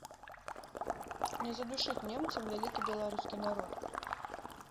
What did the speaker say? Не задушыць немцам вялікі беларускі народ!